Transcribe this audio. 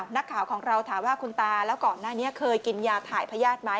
นักข่าวของเราถามว่าคุณตาแล้วก่อนหน้านี้เคยกินยาถ่ายพญาติไหม